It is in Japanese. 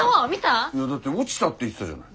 いやだって落ちたって言ってたじゃない。